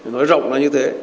nói rộng là như thế